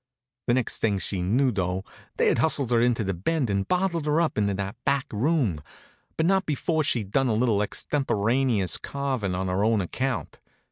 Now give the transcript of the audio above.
The next thing she knew though, they'd hustled her into the Bend and bottled her up in that back room, but not before she'd done a little extemporaneous carvin' on her own account.